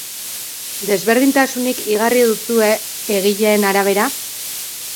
Desberdintasunik igarri duzue egileen arabera?